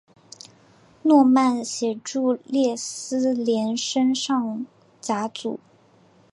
诺曼协助列斯联升上甲组。